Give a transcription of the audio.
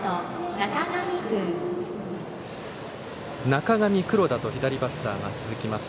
中上、黒田と左バッターが続きます。